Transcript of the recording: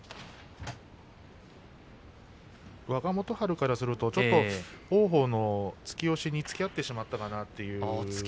若元春からすると王鵬の突き押しにつきあってしまったなと。